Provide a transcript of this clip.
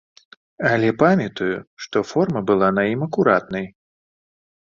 Але памятаю, што форма была на ім акуратнай.